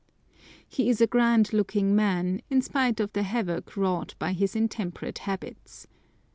He is a grand looking man, in spite of the havoc wrought by his intemperate habits.